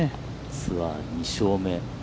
ツアー２勝目。